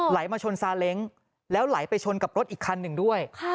ไหลมาชนซาเล้งแล้วไหลไปชนกับรถอีกคันหนึ่งด้วย